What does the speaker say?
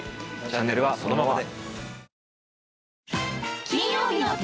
チャンネルはそのまま。